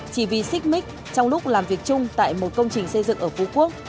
chỉ vì xích mít trong lúc làm việc chung tại một công trình xây dựng ở phú quốc